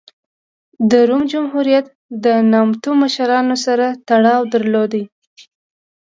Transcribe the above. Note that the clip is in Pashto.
د روم جمهوریت د نوموتو مشرانو سره تړاو درلود.